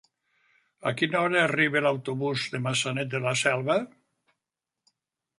A quina hora arriba l'autobús de Maçanet de la Selva?